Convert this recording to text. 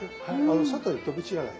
外へ飛び散らない。